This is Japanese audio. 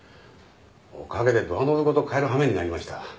おかげでドアノブごと替える羽目になりました。